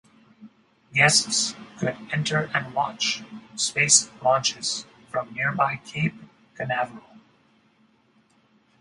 Guests could enter and watch space launches from nearby Cape Canaveral.